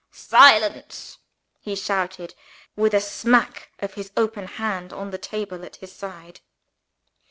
"Silence!" he shouted, with a smack of his open hand on the table at his side.